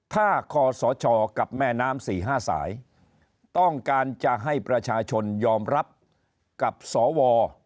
ถ้าคอสชกับแม่น้ำ๔๕สายต้องการจะให้ประชาชนยอมรับกับสว